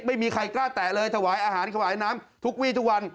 ไม่มีใครกล้าแตะเลยถวายอาหารถวายน้ำทุกวี่ทุกวัน